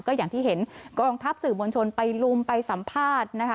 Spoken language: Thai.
ก็อย่างที่เห็นกองทัพสื่อมวลชนไปลุมไปสัมภาษณ์นะคะ